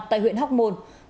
tại huyện hóc môn